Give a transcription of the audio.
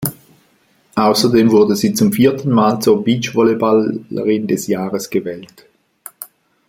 Außerdem wurde sie zum vierten Mal zur Beachvolleyballerin des Jahres gewählt.